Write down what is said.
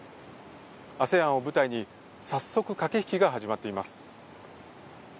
ＡＳＥＡＮを舞台に早速駆け引きが始まっています。